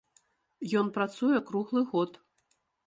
Ён працуе круглы год.